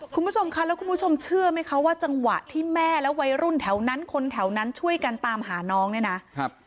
คุณผู้ชมค่ะแล้วคุณผู้ชมเชื่อไหมคะว่าจังหวะที่แม่และวัยรุ่นแถวนั้นคนแถวนั้นช่วยกันตามหาน้องเนี่ยนะครับ